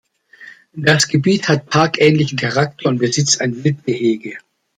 Das Gebiet hat parkähnlichen Charakter und besitzt ein Wildgehege.